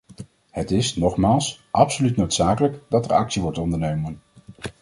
Het is, nogmaals, absoluut noodzakelijk dat er actie wordt ondernomen.